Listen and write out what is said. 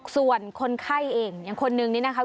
ส่วนคนไข้เองอย่างคนนึงนี่นะคะ